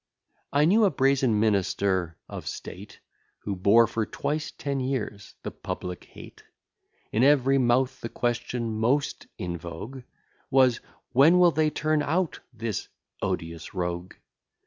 I knew a brazen minister of state, Who bore for twice ten years the public hate. In every mouth the question most in vogue Was, when will they turn out this odious rogue?